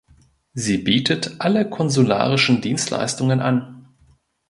Sie bietet alle konsularischen Dienstleistungen an.